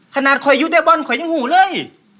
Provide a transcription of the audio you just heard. ขนาดคอยยู้เต้าบอลคอยยังหูเลย